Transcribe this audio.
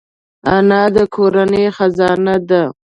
انا د کورنۍ خزانه ده